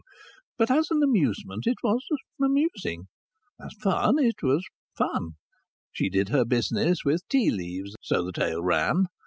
But as an amusement it was amusing. As fun, it was fun. She did her business with tea leaves: so the tale ran.